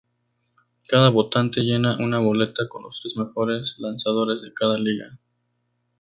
Cada votante llena una boleta con los tres mejores lanzadores de cada liga.